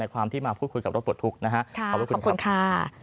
ความที่มาพูดคุยกับรถปลดทุกข์นะฮะขอบคุณครับ